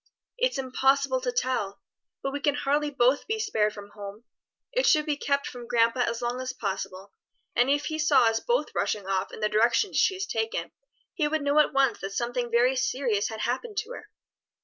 "It's impossible to tell. But we can hardly both be spared from home. It should be kept from grandpa as long as possible, and if he saw us both rushing off in the direction she has taken, he would know at once that something very serious had happened her."